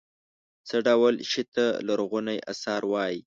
څه ډول شي ته لرغوني اثار وايي.